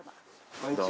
こんにちは。